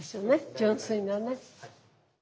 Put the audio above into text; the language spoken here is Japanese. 純粋なね。